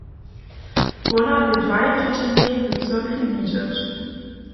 Wona bě dwaj tydźenjej w cyrkwi widźeć.